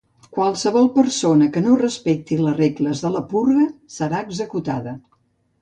Qualsevol persona que no respecti les regles de la purga serà executada.